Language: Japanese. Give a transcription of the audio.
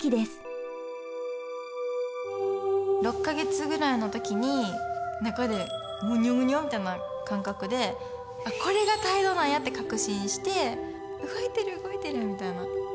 ６か月ぐらいの時に中でむにょむにょみたいな感覚であっこれが胎動なんやって確信して動いてる動いてるみたいな。